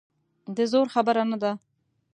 د زور خبره نه ده.